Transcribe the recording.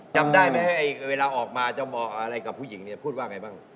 จำได้ไหมเวลาออกมาจะบอกอะไรกับผู้หญิงเนี่ยพูดว่าไงบ้าง